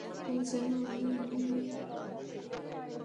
যেন আমি পেশাব করছি।